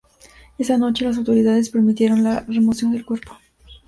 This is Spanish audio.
Esa noche las autoridades permitieron la remoción del cuerpo.